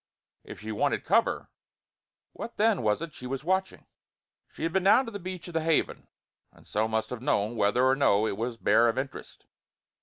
If she wanted cover, what then was it she was watching? She had been down to the beach of the Haven, and so must have known whether or no it was bare of interest.